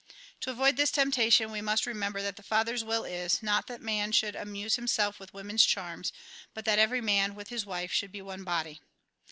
To avoid this temptation, v^e must remember that the Father's wUl is, not that man should amuse himself with woman's charms, but that everj' man, with his wife, should be one body.